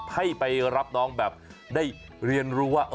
ให้ไปรับน้องแบบได้เรียนรู้ว่า